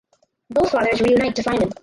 Both fathers reunite to find him.